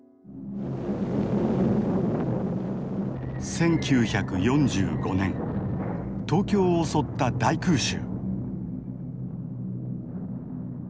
１９４５年東京を襲った大空襲。